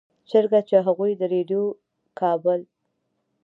چرته چې هغوي د ريډيؤ کابل